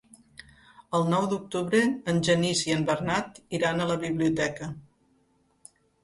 El nou d'octubre en Genís i en Bernat iran a la biblioteca.